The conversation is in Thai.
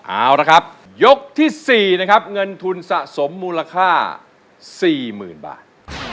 เอาละครับยกที่๔นะครับเงินทุนสะสมมูลค่า๔๐๐๐บาท